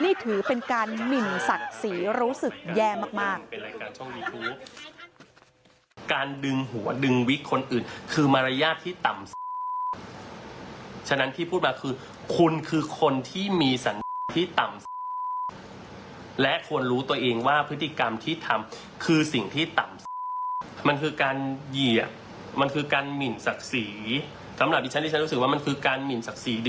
นี่ถือเป็นการหมินศักดิ์ศรีรู้สึกแย่มาก